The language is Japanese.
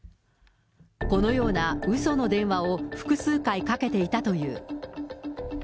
このようなうその電話を複数回かけていたという。